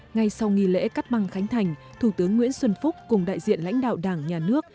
ngay sau nghi lễ cắt băng khánh thành thủ tướng nguyễn xuân phúc cùng đại diện lãnh đạo đảng nhà nước